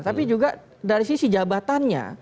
tapi juga dari sisi jabatannya